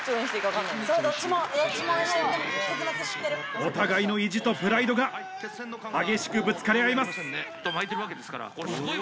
お互いの意地とプライドが激しくぶつかり合います